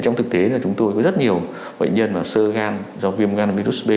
trong thực tế là chúng tôi có rất nhiều bệnh nhân sơ gan do viêm gan virus b